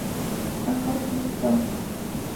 Аха зысҳәо…